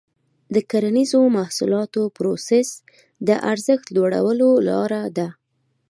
د کرنیزو محصولاتو پروسس د ارزښت لوړولو لاره ده.